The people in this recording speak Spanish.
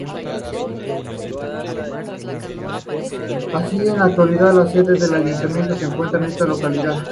Así, en la actualidad, la sede del ayuntamiento se encuentran en esta localidad.